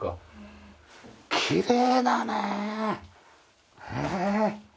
きれいだねへえ。